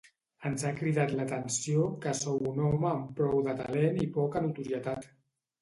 Ens ha cridat l'atenció que sou un home amb prou de talent i poca notorietat.